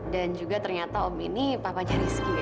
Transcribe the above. dan juga ternyata om ini papanya rizky ya